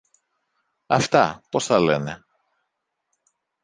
αυτά, πώς τα λένε.